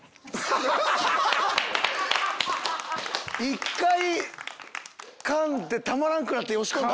１回かんでたまらんくなって押し込んだ！